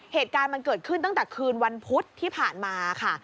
เหตุการณ์มันเกิดขึ้นตั้งแต่คืนวันพุธที่ผ่านมาค่ะ